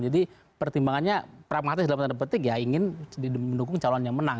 jadi pertimbangannya praktis dalam tanda petik ya ingin mendukung calon yang menang